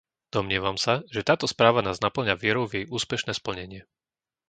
Domnievam sa, že táto správa nás napĺňa vierou v jej úspešné splnenie.